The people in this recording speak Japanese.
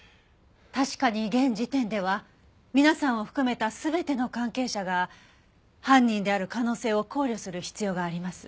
確かに現時点では皆さんを含めた全ての関係者が犯人である可能性を考慮する必要があります。